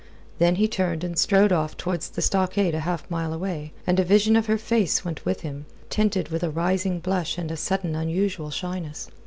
Then he turned and strode off towards the stockade a half mile away, and a vision of her face went with him, tinted with a rising blush and a sudden unusual shyness.